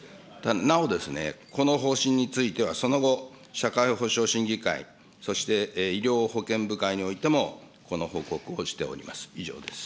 なお、この方針については、その後、社会保障審議会、そして医療保険部会においても、この報告をしております。